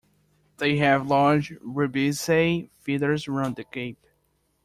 They have large vibrissae feathers around the gape.